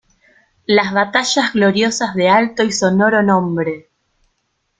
¡ las batallas gloriosas de alto y sonoro nombre!